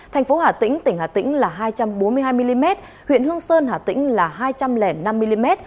thành phố hà tĩnh tỉnh hà tĩnh là hai trăm bốn mươi hai mm huyện hương sơn hà tĩnh là hai trăm linh năm mm